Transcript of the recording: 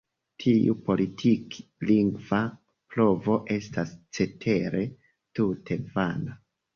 Tiu politik-lingva provo estas cetere tute vana.